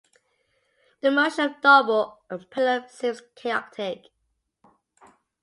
The motion of a double pendulum seems chaotic.